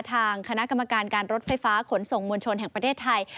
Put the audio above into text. ทางคณะกรรมการการรถไฟฟ้าขนส่งมวลชนแห่งประเทศไทย